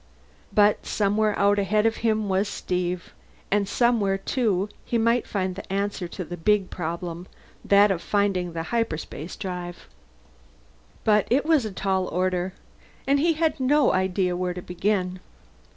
But somewhere out ahead of him was Steve. And somewhere, too, he might find the answer to the big problem, that of finding the hyperspace drive. But it was a tall order. And he had no idea where to begin.